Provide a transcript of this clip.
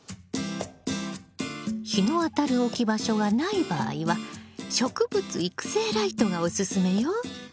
日の当たる置き場所がない場合は植物育成ライトがおすすめよ。